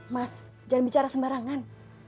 mas jangan bicara sembarangan